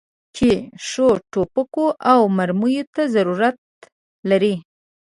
چې ښو توپکو او مرمیو ته ضرورت لري.